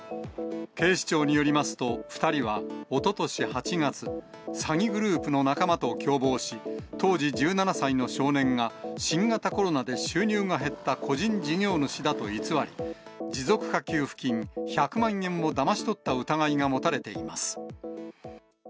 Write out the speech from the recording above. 警視庁によりますと、２人はおととし８月、詐欺グループの仲間と共謀し、当時１７歳の少年が、新型コロナで収入が減った個人事業主だと偽り、持続化給付金、１００万円をだまし取った疑いが持たれています。